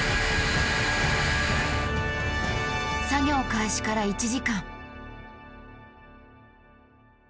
作業開始から１時間。